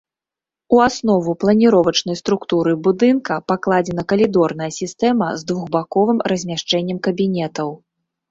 У аснову планіровачнай структуры будынка пакладзена калідорная сістэма з двухбаковым размяшчэннем кабінетаў.